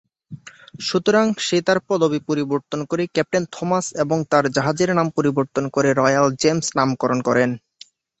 সুতরাং সে তার পদবী পরিবর্তন করে ক্যাপ্টেন থমাস এবং তার জাহাজের নাম পরিবর্তন করে রয়াল জেমস নামকরণ করেন।